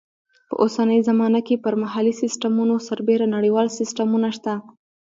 په اوسنۍ زمانه کې پر محلي سیسټمونو سربیره نړیوال سیسټمونه شته.